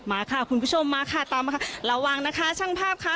ม๊าค่ะคุณผู้ชมตามมาค่ะระวังนะคะ